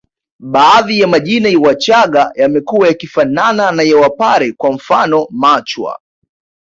Baadhi ya majina ya Wachaga yamekuwa yakifanana na ya wapare kwa mfano Machwa